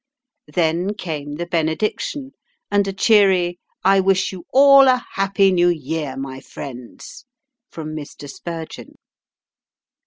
Then came the benediction, and a cheery "I wish you all a happy New Year, my friends," from Mr. Spurgeon.